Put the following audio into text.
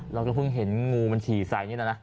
เราก็เพิ่งเห็นงูมันฉี่ใส่นี่แหละนะ